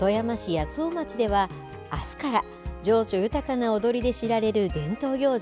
八尾町では、あすから情緒豊かな踊りで知られる伝統行事。